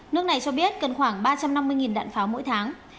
nước này cho biết cần khoảng ba trăm năm mươi đạn pháo mỗi tháng